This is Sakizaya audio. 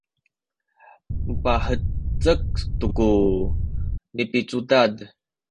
mapahezek tu ku nipicudad